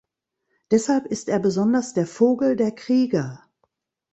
Deshalb ist er besonders der Vogel der Krieger.